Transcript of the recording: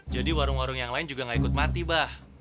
jadi warung warung yang lain juga gak ikut mati bang